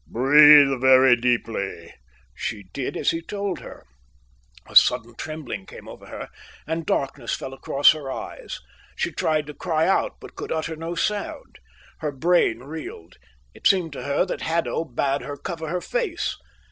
"Breathe very deeply." She did as he told her. A sudden trembling came over her, and darkness fell across her eyes. She tried to cry out, but could utter no sound. Her brain reeled. It seemed to her that Haddo bade her cover her face.